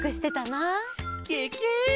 ケケ！